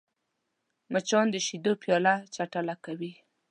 مچان د شیدو پیاله چټله کوي